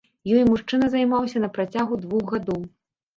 Ёй мужчына займаўся на працягу двух гадоў.